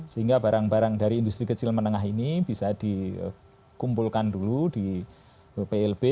sehingga barang barang dari industri kecil menengah ini bisa dikumpulkan dulu di plb